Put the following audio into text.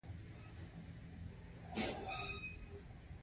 دوی باید وکولی شي په پیچلو وسایلو کار وکړي.